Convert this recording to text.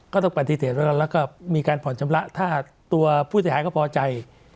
ก็ต้องปฏิเสธแล้วก็มีการผ่อนชำระถ้าตัวผู้เสียหายก็พอใจ